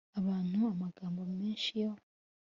abantu amagambo menshi yo